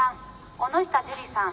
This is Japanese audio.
尾下朱里さん。